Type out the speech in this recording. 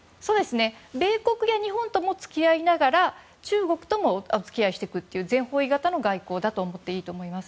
米国や日本とも付き合いながら中国ともお付き合いしていくという全方位型の外交だと思っていいと思います。